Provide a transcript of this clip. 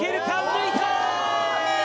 抜いたー！